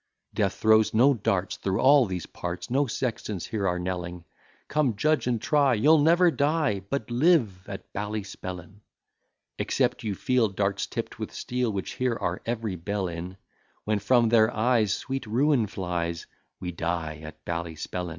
Death throws no darts through all these parts, No sextons here are knelling; Come, judge and try, you'll never die, But live at Ballyspellin. Except you feel darts tipp'd with steel, Which here are every belle in: When from their eyes sweet ruin flies, We die at Ballyspellin.